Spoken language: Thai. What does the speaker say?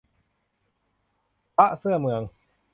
พระเสื้อเมือง